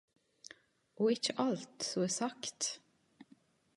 Og ikkje alt som er sagt